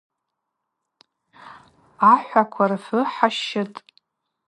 Ахӏваква рфгӏвы хӏащитӏ.